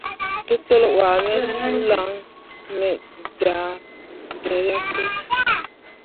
Tetel wuah me suu lan me daa ɗeryakke.